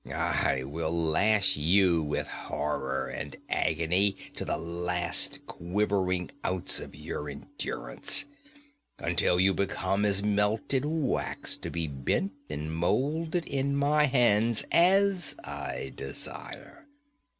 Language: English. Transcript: I will lash you with horror and agony to the last quivering ounce of your endurance, until you become as melted wax to be bent and molded in my hands as I desire.